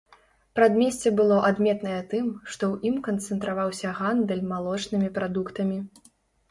Прадмесце было адметнае тым, што ў ім канцэнтраваўся гандаль малочнымі прадуктамі.